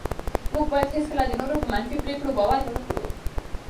موږ باید هېڅکله د نورو په منفي پرېکړو باور ونه کړو.